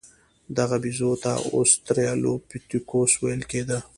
دغه بیزو ته اوسترالوپیتکوس ویل کېده.